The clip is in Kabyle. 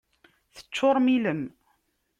Teččurem ilem.